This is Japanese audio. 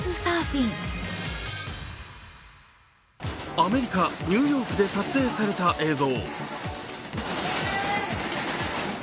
アメリカ・ニューヨークで撮影された映像。